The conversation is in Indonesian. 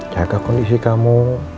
jaga kondisi kamu